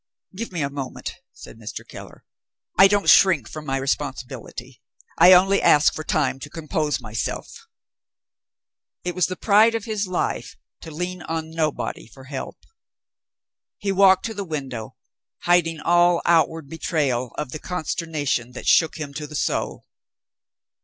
"Give me a moment," said Mr. Keller, "I don't shrink from my responsibility; I only ask for time to compose myself." It was the pride of his life to lean on nobody for help. He walked to the window; hiding all outward betrayal of the consternation that shook him to the soul.